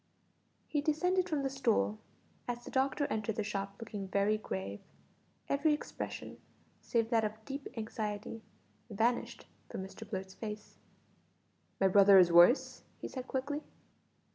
He descended from the stool, as the doctor entered the shop looking very grave. Every expression, save that of deep anxiety, vanished from Mr Blurt's face. "My brother is worse?" he said quickly.